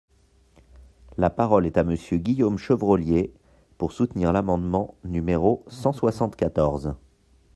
La parole est à Monsieur Guillaume Chevrollier, pour soutenir l’amendement numéro cent soixante-quatorze.